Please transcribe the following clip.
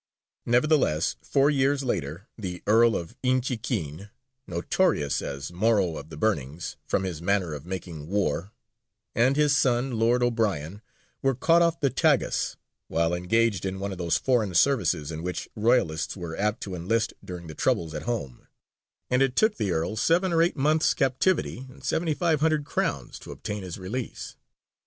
Nevertheless, four years later, the Earl of Inchiquin, notorious as "Morough of the Burnings," from his manner of making war, and his son, Lord O'Brien, were caught off the Tagus while engaged in one of those foreign services in which royalists were apt to enlist during the troubles at home, and it took the Earl seven or eight months' captivity and 7,500 crowns to obtain his release.